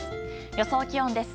予想気温です。